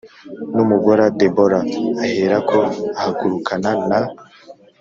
n umugore Debora aherako ahagurukana na